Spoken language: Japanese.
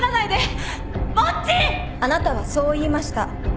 あなたはそう言いました。